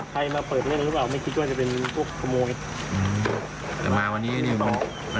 ใครมาเปิดเรื่องนี้หรือเปล่าไม่คิดว่าจะเป็นพวกขโมยอือ